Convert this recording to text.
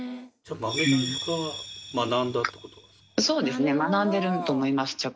そうですね学んでると思います